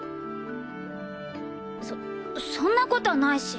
そそんな事ないし。